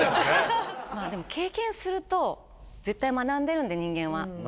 まぁでも経験すると絶対学んでるんで人間は。